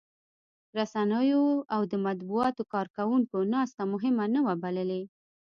رسنيو او د مطبوعاتو کارکوونکو ناسته مهمه نه وه بللې.